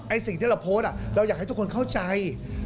สิ่งที่เราโพสต์เราอยากให้ทุกคนเข้าใจ